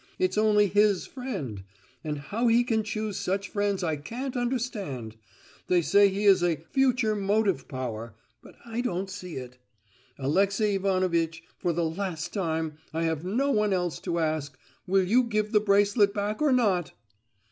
It's only his friend, and how he can choose such friends I can't understand! They say he is a 'future motive power,' but I don't see it. Alexey Ivanovitch, for the last time—I have no one else to ask—will you give the bracelet back or not?"